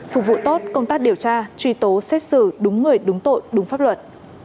phục vụ tốt công tác điều tra truy tố xét xử đúng người đúng tội đúng pháp luật